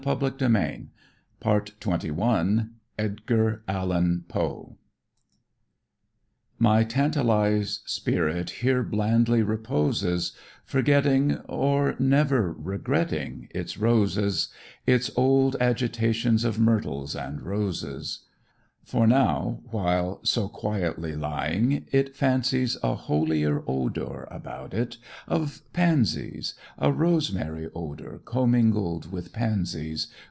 Nebraska State Journal, July 14, 1895 Edgar Allan Poe My tantalized spirit Here blandly reposes, Forgetting, or never Regretting its roses, Its old agitations Of myrtles and roses. For now, while so quietly Lying, it fancies A holier odor About it, of pansies A rosemary odor Commingled with pansies.